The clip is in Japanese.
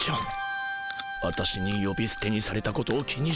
私によびすてにされたことを気にしてないのかい？